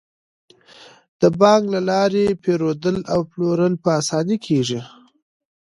د بانک له لارې پيرودل او پلورل په اسانۍ کیږي.